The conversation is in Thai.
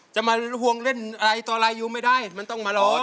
จะมาฮวงเล่นต่อรายอยู่ไม่ได้มันต้องมาเราอ๋อ